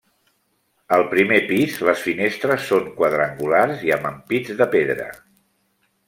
Al primer pis les finestres són quadrangulars i amb ampits de pedra.